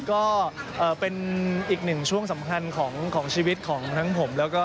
ก็เป็นอีกหนึ่งช่วงสำคัญของชีวิตของทั้งผมแล้วก็